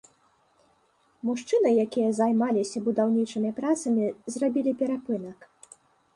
Мужчыны, якія займаліся будаўнічымі працамі, зрабілі перапынак.